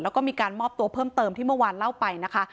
แล้วก็มีการมอบตัวเพิ่มเติมที่เมื่อวานเล่าไปนะคะ